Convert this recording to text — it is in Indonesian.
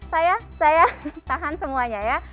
saya saya tahan semuanya ya